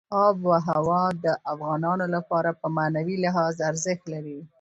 آب وهوا د افغانانو لپاره په معنوي لحاظ ارزښت لري.